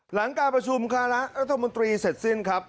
หลังการประชุมคณะรัฐมนตรีเสร็จสิ้นครับ